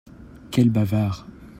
Quel bavard !